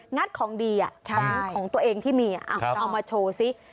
ัดของดีของตัวเองที่มีเอามาโชว์ซิ